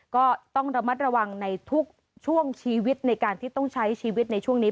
ก็ต้องระมัดระวังในทุกช่วงชีวิตในการที่ต้องใช้ชีวิตในช่วงนี้